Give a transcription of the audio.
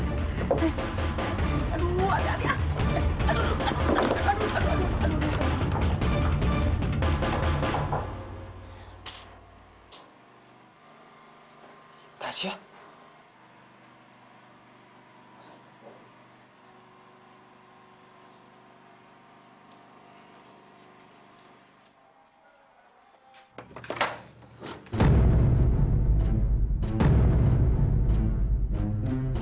masih ada yang mau ngapain